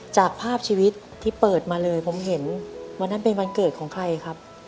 จากภาพชีวิตที่เปิดมาเลยผมเห็นวันนั้นเป็นวันเกิดของใครครับ